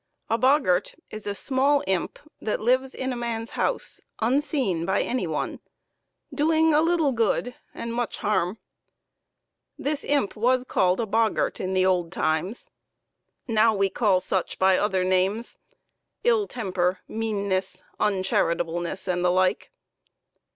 A boggart is a small imp that lives in a man's house, unseen by any one, doing a little good and much harm. This imp was called a boggart in the old times, now we call such by other names ill temper, meanness, uncharitableness, and the like.